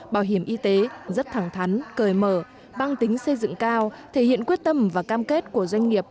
bảo hiểm y tế rất thẳng thắn cởi mở băng tính xây dựng cao thể hiện quyết tâm và cam kết của doanh nghiệp